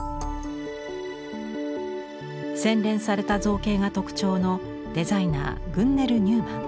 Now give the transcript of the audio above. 洗練された造形が特徴のデザイナーグンネル・ニューマン。